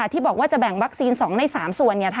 ที่บอกว่าจะแบ่งวัคซีน๒ใน๓ส่วน